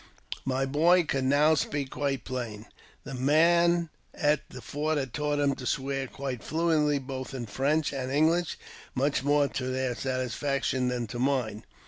My boy could now speak quite plain. The men at the fort had taught him to swear quite fluently both in French and English, much more to thei) satisfaction than to mine.